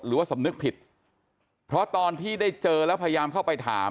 หรือว่าสำนึกผิดเพราะตอนที่ได้เจอแล้วพยายามเข้าไปถาม